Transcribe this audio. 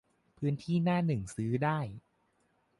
- พื้นที่หน้าหนึ่งซื้อได้